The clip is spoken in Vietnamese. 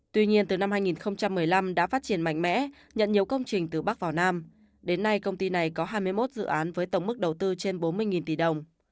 tuy nhiên từ năm hai nghìn một mươi năm đã phát triển mạnh mẽ nhận nhiều công trình từ bắc vào nam đến nay công ty này có hai mươi một dự án với tổng mức đầu tư trên bốn mươi tỷ đồng